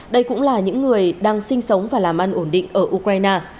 đây cũng là những người đang sinh sống và làm ăn ổn định ở ukraine